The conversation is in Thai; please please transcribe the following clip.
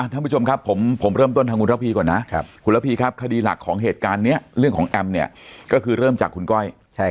ท่านผู้ชมครับผมเริ่มต้นทางคุณระพีก่อนนะคุณระพีครับคดีหลักของเหตุการณ์นี้เรื่องของแอมเนี่ยก็คือเริ่มจากคุณก้อย